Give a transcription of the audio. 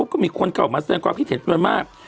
ก็มีคนเข้าออกมาแส่งกอนคิดถึงส่วนมาก